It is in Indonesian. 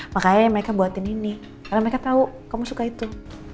makanya mereka buatin ini karena mereka tahu kamu suka itu